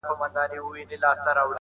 په سندرو په غزل په ترانو کي،